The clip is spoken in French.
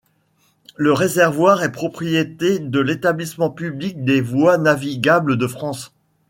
Le réservoir est propriété de l'établissement public des Voies navigables de France.